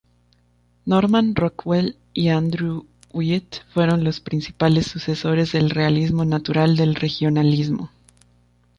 Norman Rockwell y Andrew Wyeth fueron los principales sucesores del realismo natural del regionalismo.